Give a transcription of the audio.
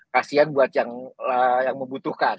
kasian buat yang membutuhkan